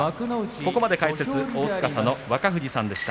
ここまで解説は皇司の若藤さんでした。